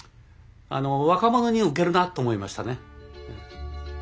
若者に受けるなと思いましたね。